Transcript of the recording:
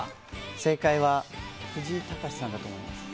正解は藤井隆さんだと思いま